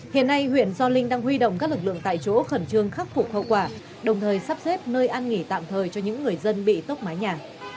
hiện nay huyện gio linh đang huy động các lực lượng tại chỗ khẩn trương khắc phục hậu quả đồng thời sắp xếp nơi ăn nghỉ tạm thời cho những người dân bị tốc mái nhà